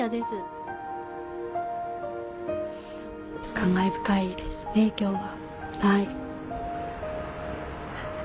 感慨深いですね今日は。